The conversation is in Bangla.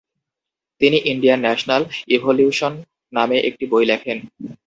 তিনি ‘ইন্ডিয়ান ন্যাশন্যাল ইভোলিউশন’ নামে একটি বই লিখেন।